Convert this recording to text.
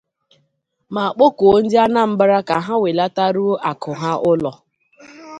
ma kpọkuo ndị Anambra ka ha wèlataruo àkụ ha ụlọ